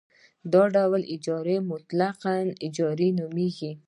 دا ډول اجاره مطلقه اجاره نومېږي